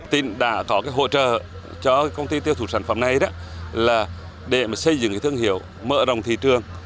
tỉnh đã có hỗ trợ cho công ty tiêu thụ sản phẩm này là để xây dựng thương hiệu mở rộng thị trường